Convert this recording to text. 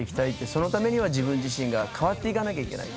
そのためには自分自身が変わっていかなくてはいけない。